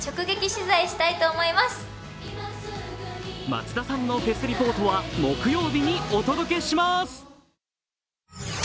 松田さんのフェスリポートは木曜日にお届けします。